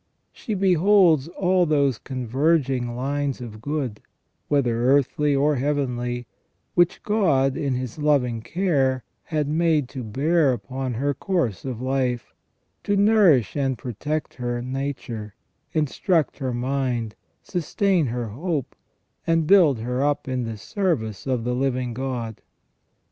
She beholds all those converging lines of good, whether earthly or heavenly, which God in His loving care had made to bear upon her course of life, to nourish and protect her nature, instruct her mind, sustain her hope, and build her up in the service of the living God.